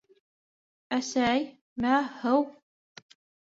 — Әсәй, мә, һыу!